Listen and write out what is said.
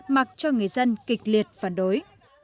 mặc cho người dân kịch liệt phản đối